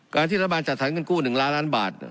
ที่รัฐบาลจัดสรรเงินกู้๑ล้านล้านบาท